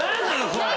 これ。